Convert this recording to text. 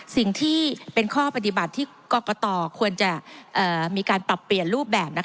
สิ่งที่เป็นข้อปฏิบัติที่กรกตควรจะมีการปรับเปลี่ยนรูปแบบ